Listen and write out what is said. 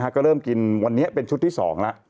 ก็เริ่มกินวันนี้เป็นชุดที่๒แล้ว